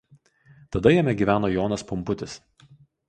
Tada jame gyveno Jonas Pumputis.